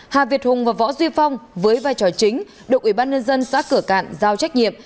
hà việt hùng và võ duy phong với vai trò chính độc ủy ban nhân dân xã cửa cạn giao trách nhiệm